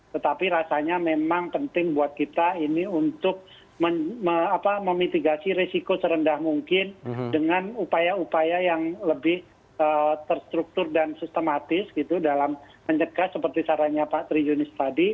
tetapi rasanya memang penting buat kita ini untuk memitigasi resiko serendah mungkin dengan upaya upaya yang lebih terstruktur dan sistematis gitu dalam mencegah seperti caranya pak tri yunis tadi